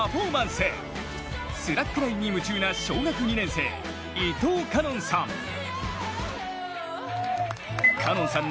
スラックラインに夢中な小学２年生、伊藤花音さん。